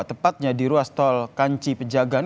tepatnya di ruas tol kanci pejagan